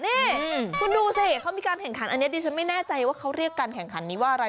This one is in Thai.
นี่คุณดูสิเขามีการแข่งขันอันนี้ดิฉันไม่แน่ใจว่าเขาเรียกการแข่งขันนี้ว่าอะไร